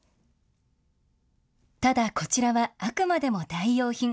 ただ、こちらはあくまでも代用品。